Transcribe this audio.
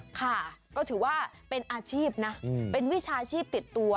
ค่ะก็ถือว่าเป็นอาชีพนะเป็นวิชาชีพติดตัว